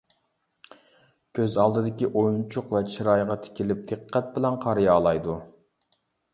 كۆز ئالدىدىكى ئويۇنچۇق ۋە چىرايغا تىكىلىپ دىققەت بىلەن قارىيالايدۇ.